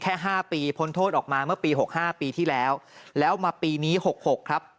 ห้าปีพ้นโทษออกมาเมื่อปี๖๕ปีที่แล้วแล้วมาปีนี้๖๖ครับ